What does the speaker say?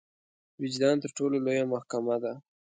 وجدان تر ټولو لويه محکمه ده.